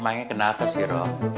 emangnya kenalkah siro